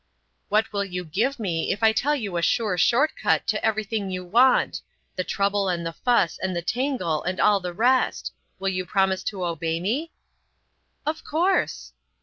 "What will you give me if I tell you a sure short cut to everything you want,—the trouble and the fuss and the tangle and all the rest? Will you promise to obey me?" "Of course."